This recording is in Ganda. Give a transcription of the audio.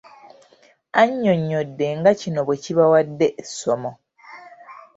Annyonnyodde nga kino bwe kibawadde essomo.